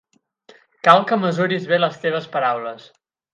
Cal que mesuris bé les teves paraules.